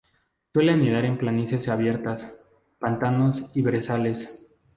Suele anidar en planicies abiertas, pantanos y brezales.